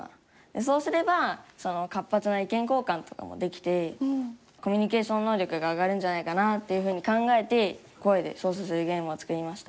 そうすれば活発な意見交換とかもできてコミュニケーション能力が上がるんじゃないかなっていうふうに考えて声で操作するゲームを作りました。